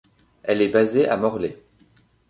Elle est basée à Morley.